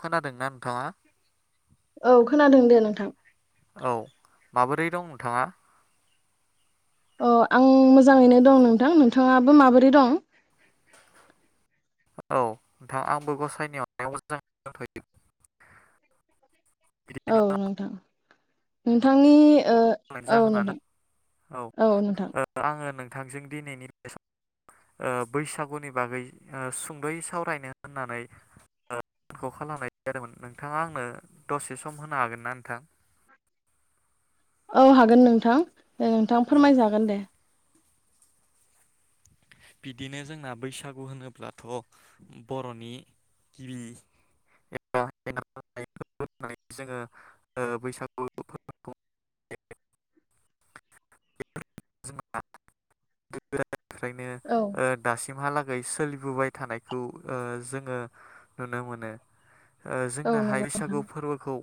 खोनादोंना नोंथाङा? औ खोनादों दे नों थां औ माबोरै दं नोंथाङा? अ आं मोजाङैनो दं नोंथां। नोंथाङाबो माबोरै दं? औ नोंथां आंबो गसाइनि अन नायाव मोजां [inaudible] दथ' यो औ नोंथां। नोंथांनि ओ आनि औ जाहोनानो नोंथां औ ओ आङो नों नोंथांजों दिनैनि बै ओ बैसागुनि बागै ओ सुंद'यै सावरायनो होननानै ओ खौ खालामनाय जादोंमोन नोंथाङा आंनो दसे सम होनो हागोन ना नोंथां? औ हागोन नोंथां। दे नोंथां औ फोरमायजागोन दे। बिदिनो जोंना बैसागु होनोब्लाथ' बर'नि गिबि एबा [unintelligible] जोङो ओ बैसागु फोरबोखौ [unintelligible] [unintelligible] ओफ्रायनो औ ओ दासिमहा लाग गै सोलिबोबाय थानायखौ ओ जोङो नुनो मोनो। ओ औ जोंनाहाय नंगौ बैसागु फोरबोखौ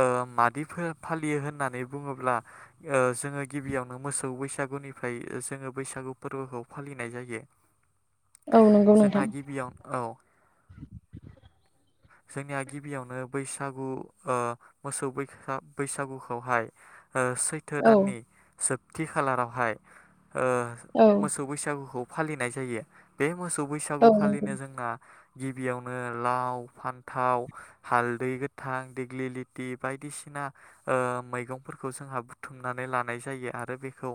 ओ मादि फो फालियो होननानै बुङोब्ला ओ जोङो गिबियावनो मोसौ बैसागुनिफ्राय जोङो बैसागु फोरबोखौ फालिनाय जायो। औ नंगौ जोंना नोंथां गिबियाव औ। जोंनिया गिबियावनो बैसागु ओ मोसौ बैह बैसागुखौहाय ओ सैथो औ दाननि जोब थि खालारावहाय ओ औ मोसौ बैसागुखौ फालिनाय जायो बे मोसौ औ नंगौ बैसागुखालिनो जोंना गिबियावनो लाव फान्थाव हालदै गोथां देग्लि लेथि बायदिसिना ओ मैगंफोरखौ जोंहा बुथुमनानै लानाय जायो आरो बेखौ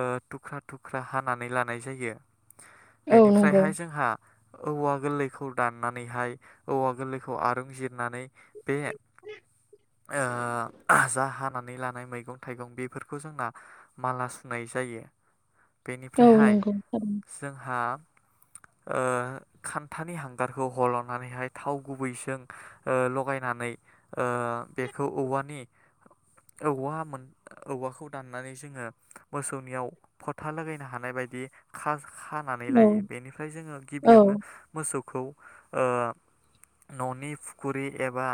ओ थुख्रा थुख्रा हानानै लानाय जायो। औ नंगौ बेनिफ्रायहाय जोंहा औवा गोरलैखौ दाननानैहाय औवा गोरलैखौ आरुंजिरनानै बे ओ जा हानानै लानाय मैगं-थाइगं बेफोरखौ जोंना माला सुनाय जायो। औ बेनिफ्रायहाय नंगौ जोंहा ओ खान्थानि हांगारखौ हल'नानैहाय थाव गुबैजों ओ लगायनानै ओ बेखौ औवानि औवा मोन औवाखौ दाननानै जोङो मोसौनियाव फथा लागायनो हानाय बायदि खा खानानै औ लायो बेनिफ्राय जोङो औ गिबियावनो मोसौ खौ ओ न'नि फुखुरि एबा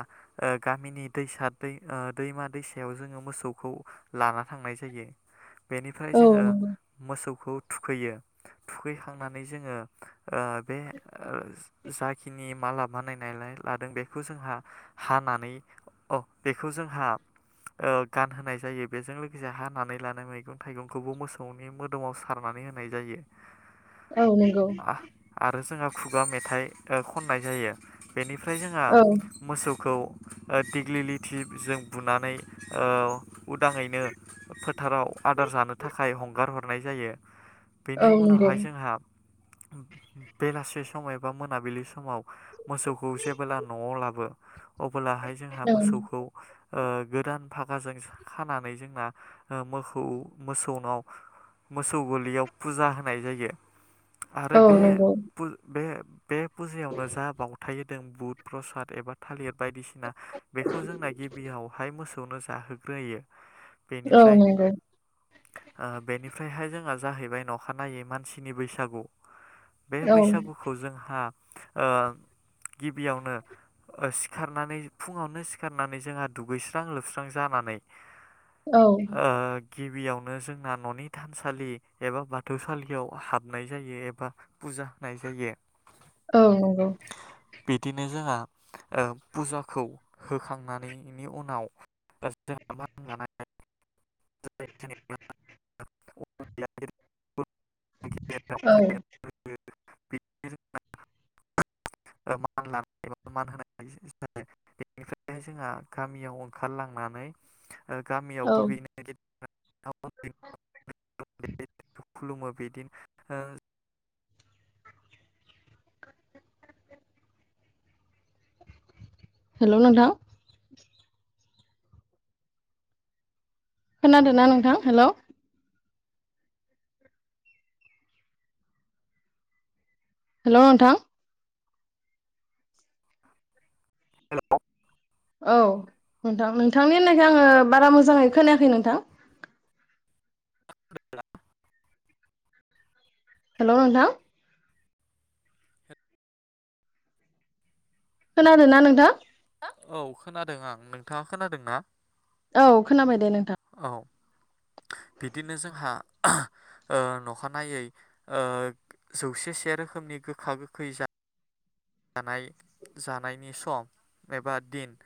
ओ गामिनि दैसा दै ओ दैमा दैसायाव जोङो मोसौखौ लाना थांनाय जायो। बेनिफ्राय औ जोङो मोसौ खौ थुखैयो थुखैखांनानै जोङो ओ बे ओ जाखिनि मालाब मानायनायलाय लादों बेखौ जोंहा हानानै अ बेखौ जोंहा ओ गानहोनाय जायो बेजों लोगोसे हानानै लानाय मैगं थाइगंखौबो मोसौनि मोदोमाव सारनानै होनाय जायो। औ नंगौ [inaudible] आ- आरो जोंहा खुगा मेथाइ ओ खननाय जायो। बेनिफ्राय जोङो औ मोसौ खौ दिेग्लिलिथि जों बुनानै औ उदाङैनो फोथाराव आदार जानो थाखाय हम हगारहरनाय जायो। बेनि औ नंगौ उनावहाय जोंहा बेलासि समाव एबा मोनाबिलि समाव मोसौखौजेबोला न'आव लाबो अब्लाहाय जोंहा औ मोसौखौ ओ गोदान फागाजों खानानै जोंना ओ मोखौ मोसौनाव मोसौ गलियाव फुजा होनाय जायो आरो औ बे नंगौ पुल बे बे फुजायावनो जा बाव थाय दों बुद प्रसाद एबा थालिर बायदिसि ना बेखौ जोंना गिबियावहाय मोस खौनो जाहोग्रोयो औ बेनिफ्राय नंगौ ओ बेनिफ्रायहाय जोंहा जाहैबाय नखानायै मानसिनि बैसागु बे औ बैसागुखौ जोंहा ओ गिबियावनो सिखारनानै फुङावनो सिखारनानै जोंहा दुगैस्रां लोबस्रां जानानै औ ओ गिबियावनो जोंना न'नि थानसालि एबा बाथौसालियाव हाबनाय जायो एबा फुजा होनाय जायो। औ नंगौ। बिदिनो जोंहा ओ फुजाखौ होखांनानैनि उनाव जोंहा मानाय [unintelligible] [unintelligible] [unintelligible] औ। [unintelligible] मान लानाय एबा मान होनाय बेनिफ्राय जोंहा गामियाव ओंखारलांनानै ओ औ गामियावबो बेनो [unintelligible] खुलुमो बिदिनो ओ हेलौ नोंथां खोनादों ना नोंथां? हेलौ। हेलौ नोंथां औ नोंथां नोंथांनि होननायखो आङो बारा मोजाङै खोनायाखै नोंथां। [unintelligible] हेलौ नोंथां। खोनादों ना नोंथां? औ खोनादों आं नोंथाङा खोनादोंना? औ खोनाबाय दे नोंथां। औ बिदिनो जोंहा ओ नखानायै जौसेसे रोखोमनि गोखा गोखै जा जानाय जानायनि सम एबा दिन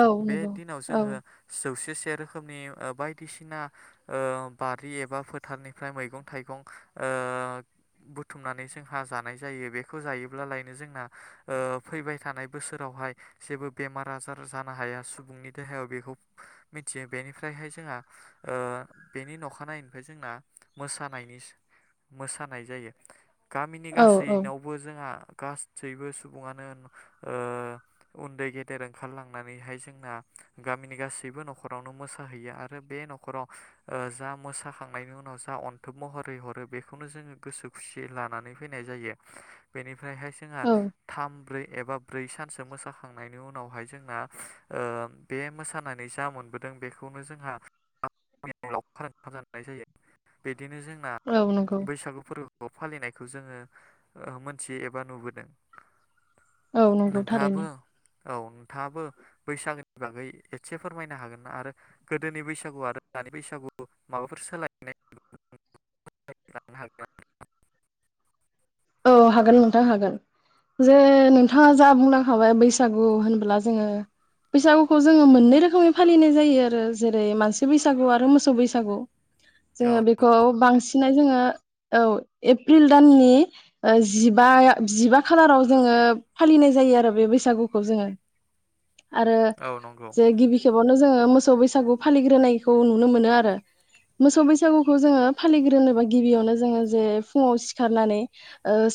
औ नंगौ दिनाव औ जोङो जौसेसे से रोखोमनि बायदिसिना ओ बारि एबा फोथारनिफ्राय मैगं थाइगं ओ बुथुमनानै जोंहा जानाय जायो बेखौ जायोब्लालाय नो जोंना ओ फैबाय थानाय बोसोरावहाय जेबो बेमार आजार जानो हाया सुबुंनि देहायाव बेखौ मिथियो बेनिफ्रायहाय जोंहा ओ बेनि अखानायैनिफ्राय जोंना मोसानायनि मोसानाय जायो। गामिनि औ औ गासैनावबो जोंहा गासैबो सुबुङानो ओ उन्दै गेदेर ओंखारलांनानैहाय जोंना गामिनि गासैबो न'खरावनो मोसाहैयो आरो बे न'खराव जा मोसाखांनायनि उनाव जा अन्थोब महरै हरो बेखौनो जोङो गोसो खुसियै लानानै फैनाय जायो। बेनि फ्रायहाय जोंहा औ थाम ब्रै एबा ब्रै सानसो मोसाखांनायनि उनावहाय जोंना ओ बे मोसानानै जा मोनबोदों बेखौनो जोंहा [unintelligible] लावखार ओंखाम जानाय जायो बिदिनो जोंना औ नंगौ बैसागु फोरबो बो फालिनायखौ जोङो मोन थियो एबा नुबोदों। औ नंगौ नोंथाङाबो थारैनो। औ नोंथाङाबो बैसागोनि बागै एसे फोरमायनो हागोन ना? आरो गोदोनि बैसागु आरो दानि बैसागु माबाफोर सोलायनाय [unintelligible] औ हागोन नोंथां हागोन। जे नोंथाङा जा बुंलांखाबाय बैसागु होनबोला जोङो औ बैसागुखौ जोङो मोननै रोखो खोमै फालिनाय जायो आरो जेरै मानसि बैसागु आरो मोसौ बैसागु। औ जोङो बेखौ बांसि सिनानो जोङो औ एप्रिल दाननि ओ जिबा जिबा खालाराव जोङो फालिनाय जायो आरो बे बैसागुखौ जोङो। आरो औ नंगौ जे गिबि खेबाव नो जोङो मोसौ बैसागु फालिग्रोनायखौ नुनो मोनो आरो मोसौ बैसागुखौ जोङो फालिग्रोनोबा गिबियावनो जोङो जे फुङाव सिखारनानै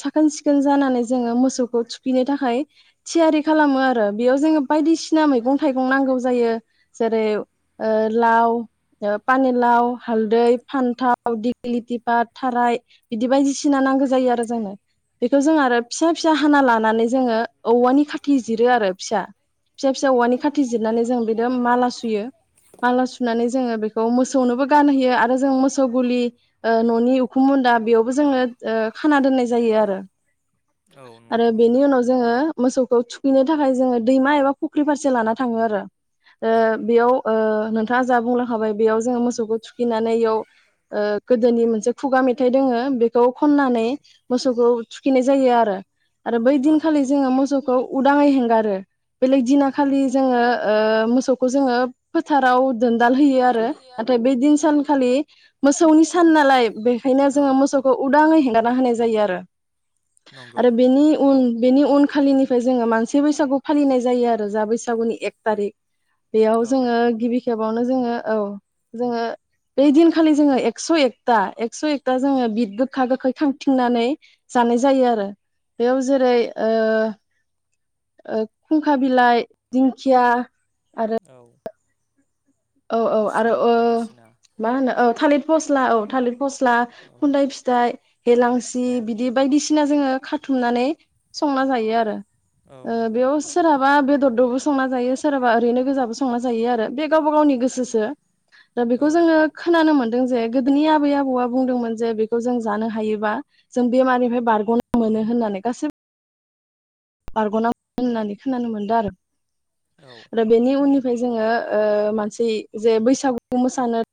साखोन सिखोन जानानै जोङो मोसौखौ थुखैनो थाखाय थियारि खालामो आरो बेयाव जोङो बायदिसिना मैगं थाइगं नांगौ जायो जेरै लाव पानिलाव हालदै फान्थाव दिग्लिलिथि बा थाराय बिदि बायदिसिना नांगौ ज जायो आरो जोंनो बेखौ जों आरो फिसा फिसा हाना लानानै जोङो औवानि खाथि जिरो आरो फिसा फिसा फिसा औवानि खाथि जिरनानै जों बेजों माला सुयो माला सु सुनानै जोङो बेखौ मोसौनोबो गानहोयो आरो जों मोसौ गुलि न'नि उखुम मुन्दा बेयावबो जोङो ओ खाना दोननाय जायो आरो। औ आरो नंगौ बेनि नोंथां उनाव जोङो मोसौखौ थुखैनो थाखाय जोङो दैमा एबा फुख्रि फारसे लाना थाङो आरो। ओ औ बेयाव ओ नों थाङा जा बुंलांखाबाय बेयाव जोङो मोसौखौ थुखैनानै बेयाव ओ गोदोनि मोनसे खुगा मेथाइ दोङो बे मेथाइखौ खननानै औ मोसौखौ। थुखैनाय जायो आरो। आरो बै औ दिनखालि नंगौ जोङो मोसौखौ। उदाङै हेंगारो। बेलेग नंगौ दिनाखालि औ जोङो ओ। मोसौखौ जोङो फोथाराव। दोनदाल होयो आरो नाथाय बे दिन सान। खालि मोसौनि सान नालाय। बेखायनो जोङो मोसौखौ उदाङै हेंगार। होनाय नंगौ जायो बेनि उन। बेनि उनखालिनिफ्राय जोङो मानसि बैसागु फालिनाय जायो आरो जा बैसागुनि एक थारिख। बेयाव औ जोङो नंगौ नोंथां गिबि खेबावनो जोङो। औ जोङो बे दिनखालि जोङो एकस' एकथा एकस' एकथा जोङो बिद गोखा गोखै खांओ। फिथिंनानै जानाय जायो आरो बेयाव जेरै खुंखा बिलाइ दिंखिया आरो औ। औ औ आरो फस्ला बायदिसिना मा होनो ओ। थालिर फस्ला औ थालिर। फस्ला औ खुन्दाय फिथाइ। हेलांसि औ बिदि बायदिसिना। बिना जोङो खाथुमनानै संना जायो आरो। औ नंगौ बेयाव सोरहाबा बेदरजोंबो संना जायो। सोरबाबा ओरैनो गोजाबो संना जायो आरो बे गावबागाव गोसोसो दा औ बेखौ जोङो नंगौ खोनानो मोनदों जे गोदोनि आबै आबौआ बुंदोंमोन जे बेखौ जों जानो हायोबा जों बेमारनिफ्राय बारग'नो मोनो होननानै गासैबो बारग'ना होननानै खोनानो मोन्दों आरो। औ आरो बेनि उननि ओमफ्राय जोङो ओ मानसि जे बैसागु मोसानो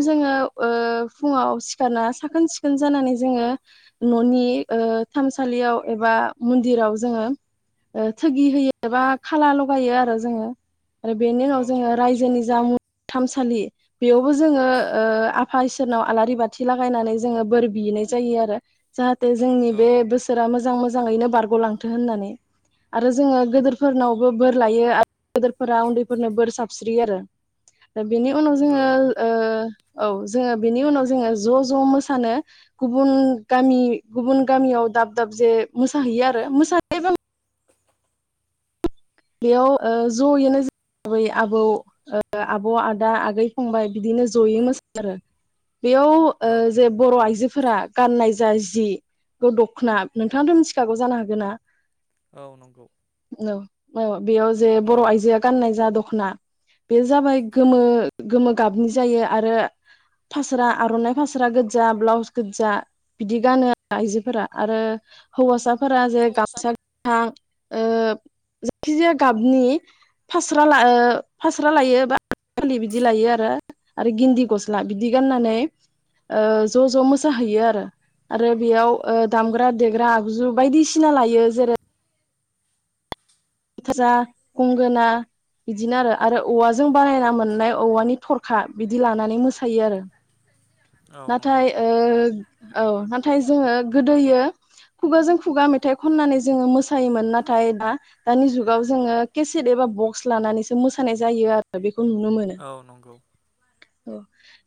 औ जोङो ओ फुङाव सिखारना साखोन सिखोन जानानै जोङो न'नि ओ थानसालियाव एबा मन्दिराव जोङो ओ थोगि होयो एबा खाला लगायो आरो जोङो। आरो बेनि औ उनाव जोङो नंगौ रायजोनि जामुं थामसालि बेयाव जोङो ओ आफा इसोरनाव आलारि बाथि लागायनानै जोङो बोर बिनाय जायो आरो जाहा बे जोंनि औ बे नंगौ बोसोरा मोजां मोजां मोजाङैनो बारग'लांथों होननानै आरो जोङो गोदोरफोरनावबो बोर लायो। आरो गोदोरफोरा उन्दैफोरनो बोर साबस्रियो आरो। दा बेनि उनाव जोङो औ ओ औ जोङो बेनि उनाव जोङो ज' ज' मोसानो गुबुन गामि गुबुन गामियाव दाब दाब जे मोसाहैयो आरो मोसानायबा बेयाव ओ जयैनो जों आबै-आबौ ओ आब' आदा आगै फंबाय बिदिनो जयै मोसायो आरो। बेयाव ओ औ जे नंगौ बर' आइजोफोरा गाननाय जा जा जिखौ दख'ना नोंथाङथ' मिथिखागौ जानो हागौ‌ना? औ नंगौ। औ औ बेयाव जे औ बर' आइजोआ गाननाय जा दख खना बेयो जाबाय गोमो गोमो गाबनि जायो आरो फास्रा आर'नाय फास्रा गोदजा ब्लाउस गोदजा बिदि गानो आइजोफोरा आरो हौवासा फोरा‌ जे औ गामसा गोथां ओ जिखिजाया गाबनि फास्रा ला फास्रा लायो बा फालि बिदि लायो आरो आरो गिन्दि गस्ला बिदि गाननानै ओ ज' ज' मोसाहैयो आरो आरो बेयाव ओ दामग्रा देग्रा आगजु बायदिसिना लायो जेरै [unintelligible] गंगोना बिदिनो आरो आरो औवाजों बानायना मोननाय औवानि थरखा बिदि लानानै मोसायो आरो नंगौ नाथाय ओ औ नाथाय जोङो गोदोयो खुगाजों खुगा मेथाइ खननानै जोङो मोसायोमोन नाथाय दा दानि जुगाव जोङो केसेट एबा बक्स लानानैसो मोसानाय जायो आरो बे औ नंगौ। अ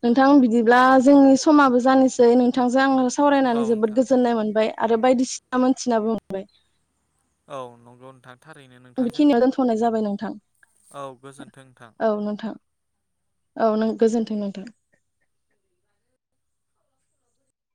नोंथां बिदिब्ला जोंनि समाबो जानोसै नोंथांजों आङो औ सावरायनानै जोबोद नोंथां गोजोननाय मोनबाय। आरो बायदिसिना मोनथिनाबो मोनबाय। औ नंगौ नोंथां। थारैनो नोंथांजों बेखिनियाव दोनथ'नाय जाबाय नोंथां औ गोजोन्थों नोंथां। औ नोंथां औ नों गोजोन धयन'बाद।